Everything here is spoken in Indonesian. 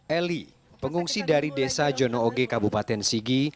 eli pengungsi dari desa jono oge kabupaten sigi